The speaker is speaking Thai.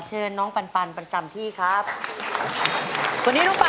ใจรองได้ช่วยกันรองด้วยนะคะ